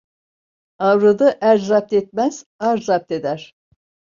Avradı er zapt etmez, ar zapt eder.